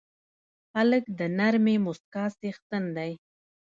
هلک د نرمې موسکا څښتن دی.